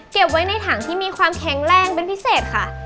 เก็บไว้ในถังที่มีความแข็งแรงเป็นพิเศษค่ะ